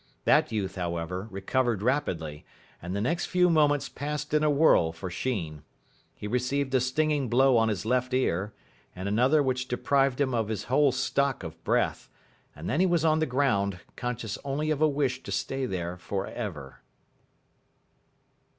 That youth, however, recovered rapidly, and the next few moments passed in a whirl for Sheen. He received a stinging blow on his left ear, and another which deprived him of his whole stock of breath, and then he was on the ground, conscious only of a wish to stay there for ever.